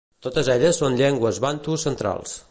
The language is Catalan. Totes elles són llengües bantus centrals.